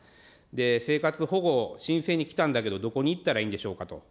生活保護申請に来たんだけど、どこに行ったらいいんでしょうかと。